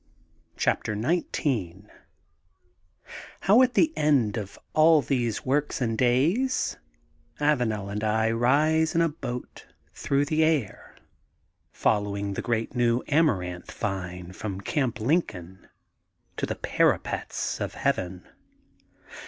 CHAPTER XIX HOW AT THB BND OF ALL THB8B WORKS AND DATS, ATANBL AND I RISB IN A BOAT THROUGH THB AIR, FOLLOWING THB GRBAT NBW AMARANTH TINB FROM CAMP LINCOLN TO THB PARAPBTS OF HBAYBN.